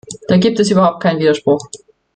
Da gibt es überhaupt keinen Widerspruch.